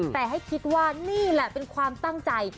แต่ให้คิดว่านี่แหละเป็นความตั้งใจ